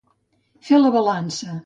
Fer la balança.